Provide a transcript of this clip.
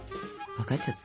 分かっちゃった？